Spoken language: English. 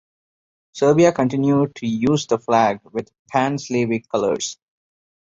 Serbia continue to use the flag with Pan-Slavic colors.